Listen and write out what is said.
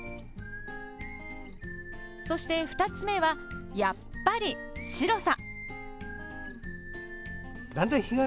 そして２つ目は、やっぱり白さ。